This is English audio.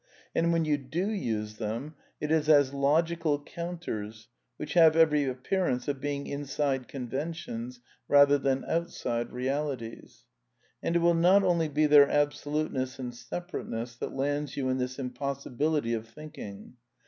And when you do use them, ^ 4t is as logical counters which have every appearance Q& jfii being inside conventions rather than outside realities. And it will not only be their absoluteness and separate ness that lands you in this impossibility of thinking.